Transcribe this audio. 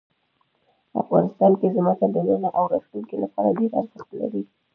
افغانستان کې ځمکه د نن او راتلونکي لپاره ډېر ارزښت لري.